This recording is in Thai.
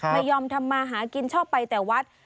ไม่ยอมทำมาหากินชอบไปแต่วัด